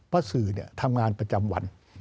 เพราะสื่อทำงานประจำวัน